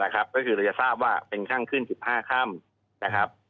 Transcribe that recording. ก็คือเราจะทราบว่าเป็นขั้นขึ้น๑๕ค่ำนะครับ